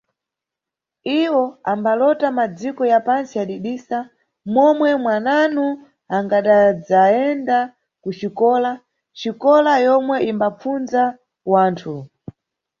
Iwo ambalota madziko ya pantsi yadidisa, momwe mwananu angadadzayenda kuxikola, xikola yomwe imbapfunza wanthu.